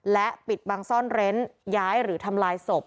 และปิดบังซ่อนเร้นย้ายหรือทำลายศพ